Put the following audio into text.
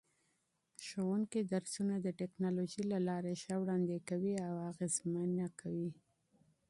ښوونکي درسونه د ټکنالوژۍ له لارې ښه وړاندې کوي او اغېزمنه کوي.